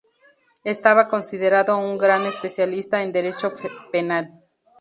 Estaba considerado un gran especialista en Derecho Penal.